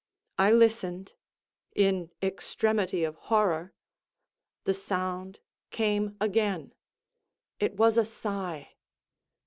I listened—in extremity of horror. The sound came again—it was a sigh.